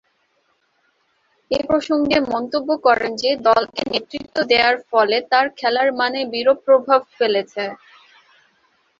এ প্রসঙ্গে মন্তব্য করেন যে, দলকে নেতৃত্ব দেয়ার ফলে তার খেলার মানে বিরূপ প্রভাব ফেলেছে।